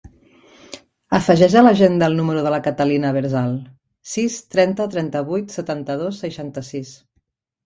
Afegeix a l'agenda el número de la Catalina Berzal: sis, trenta, trenta-vuit, setanta-dos, seixanta-sis.